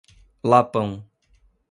Lapão